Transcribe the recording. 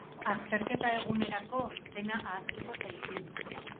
Azterketa egunerako dena ahaztuko zaizu.